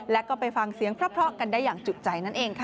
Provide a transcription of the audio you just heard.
แล้วก็ไปฟังเสียงเพราะกันได้อย่างจุใจนั่นเองค่ะ